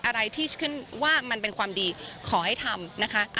อะไรที่ขึ้นว่ามันเป็นความดีขอให้ทำนะคะ